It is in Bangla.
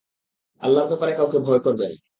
আল্লাহর ব্যাপারে কাউকে ভয় করবে না।